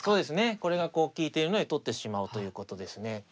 これがこう利いてるので取ってしまおうということですね。